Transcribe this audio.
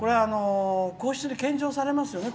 皇室で献上されますよね